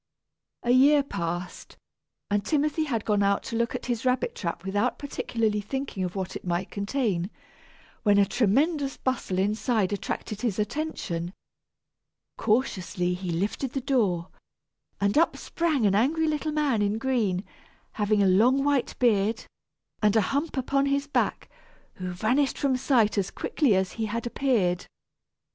A year passed, and Timothy had gone out to look at his rabbit trap without particularly thinking of what it might contain, when a tremendous bustle inside attracted his attention. Cautiously he lifted the door, and up sprang an angry little man in green, having a long white beard, and a hump upon his back, who vanished from sight as quickly as he had appeared.